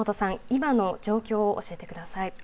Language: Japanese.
今の状況を教えてください。